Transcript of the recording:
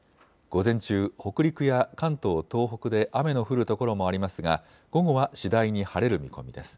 午前中、北陸や関東、東北で雨の降る所もありますが午後は次第に晴れる見込みです。